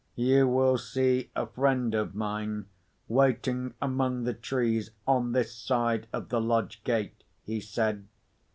"You will see a friend of mine waiting among the trees, on this side of the lodge gate," he said.